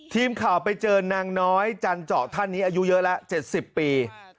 ทีมข่าวไปเจอนางน้อยจันเจาะท่านนี้อายุเยอะแล้ว๗๐ปี